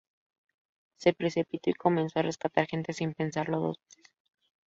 Se precipitó y comenzó a rescatar gente sin pensarlo dos veces.